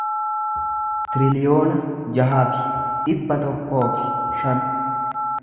tiriliyoona jaha fi dhibba tokkoo fi shan